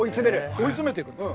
追い詰めていくんです。